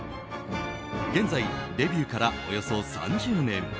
現在、デビューからおよそ３０年。